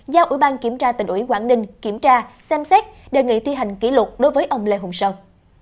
giao ủy ban kiểm tra tỉnh ủy quảng ninh kiểm tra xem xét đề nghị thi hành kỷ luật đối với ông lê hùng sơn